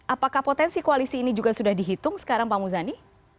apakah potensi koalisi ini juga sudah dihitung sekarang pak muzani